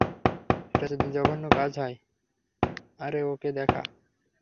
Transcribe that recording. এটা যদি জঘন্য কাজ হয় আরে ওকে দেখা।